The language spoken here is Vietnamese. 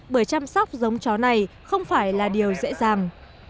bởi chăm sóc giống chó này không phải là điều dễ dàng